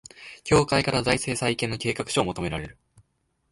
協会から財政再建の計画書を求められる